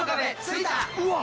うわっ！